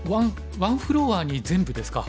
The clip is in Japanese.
ワンフロアに全部ですか。